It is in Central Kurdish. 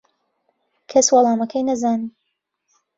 کەس وەڵامەکەی نەزانی.